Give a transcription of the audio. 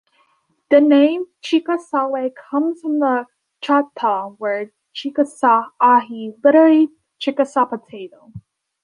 The name "Chickasawhay" comes from the Choctaw word "chikashsha-ahi", literally "Chickasaw potato".